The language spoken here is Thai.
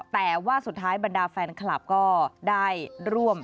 แต่ว่าสุดท้ายบรรดาแฟนคลับก็ได้ร่วม